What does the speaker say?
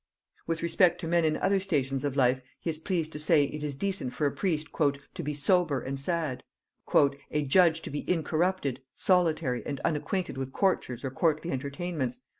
With respect to men in other stations of life he is pleased to say, it is decent for a priest "to be sober and sad;" "a judge to be incorrupted, solitary, and unacquainted with courtiers or courtly entertainments...